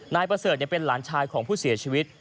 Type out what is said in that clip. นายประเสริฐเป็นหลานชายของผู้เสียชีวิต